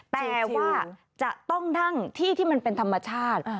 แต่ว่าจะต้องนั่งที่ที่มันเป็นธรรมชาติ